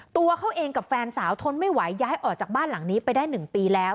ตัวเขาเองกับแฟนสาวทนไม่ไหวย้ายออกจากบ้านหลังนี้ไปได้๑ปีแล้ว